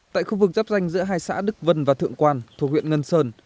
tại khu vực giáp danh giữa hai xã đức vân và thượng quan thuộc huyện ngân sơn